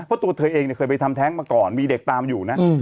เพราะตัวเธอเองเคยไปทำแท้งมาก่อนมีเด็กตามอยู่นะ